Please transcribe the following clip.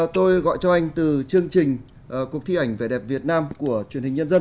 tôi gọi cho anh từ chương trình cuộc thi ảnh vẻ đẹp việt nam của truyền hình nhân dân